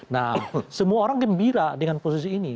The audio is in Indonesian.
nah semua orang gembira dengan posisi ini